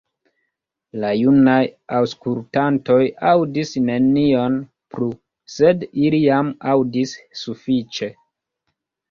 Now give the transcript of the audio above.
La junaj aŭskultantoj aŭdis nenion plu, sed ili jam aŭdis sufiĉe.